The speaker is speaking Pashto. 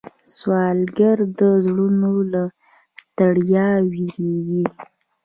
سوالګر د زړونو له ستړیا ویریږي